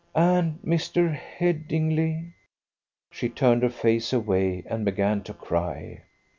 And Mr. Headingly " She turned her face away and began to cry.